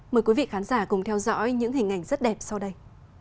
mời quý vị khán giả cùng theo dõi những hình ảnh rất đẹp sau đây